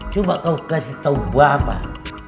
coba kau kasih tahu bapak